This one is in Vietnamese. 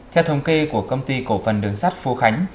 theo thống kê của công ty cổ phần đường sắt phú khánh